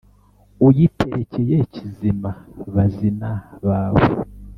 uyiterekeye kizima, bazina bawe